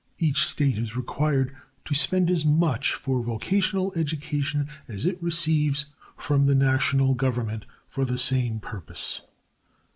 Each state is required to spend as much for vocational education as it receives from the national Government for the same purpose.